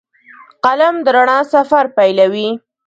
قلم د رڼا سفر پیلوي